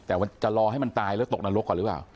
แต่มันจะรอให้มันตายแล้วตกนรกก่อนหรือเปล่า